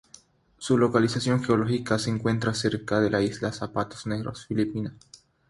Su localización geológica se encuentra cerca de la isla Zapatos, Negros, Filipinas.